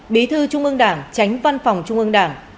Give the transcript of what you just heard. bí thư trung ương đảng tránh văn phòng trung ương đảng